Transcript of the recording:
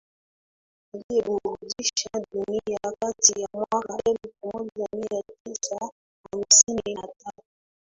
aliyeburudhisha dunia kati ya mwaka elfu moja mia tisa hamsini na tatu